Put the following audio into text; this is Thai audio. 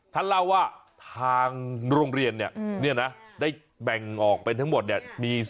ท่านเล่าว่าทางโรงเรียนเนี่ยนะได้แบ่งออกเป็นทั้งหมดเนี่ย